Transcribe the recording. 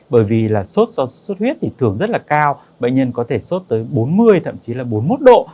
bởi vì xuất xuất huyết thường rất cao bệnh nhân có thể xuất tới bốn mươi thậm chí bốn mươi một độ